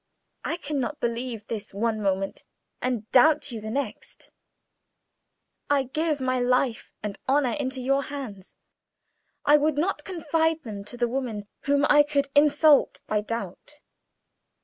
I can not believe this one moment, and doubt you the next. I give my life and honor into your hands. I would not confide them to the woman whom I could insult by a doubt."